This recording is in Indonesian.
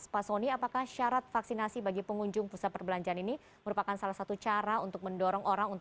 pak soni apakah syarat vaksinasi bagi pengunjung pusat perbelanjaan ini merupakan salah satu cara untuk mendorong orang untuk